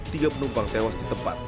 tiga penumpang tewas di tempat